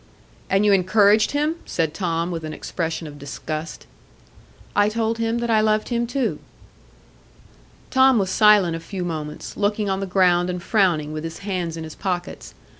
"And you encouraged him?" said Tom, with an expression of disgust. "I told him that I loved him too." Tom was silent a few moments, looking on the ground and frowning, with his hands in his pockets.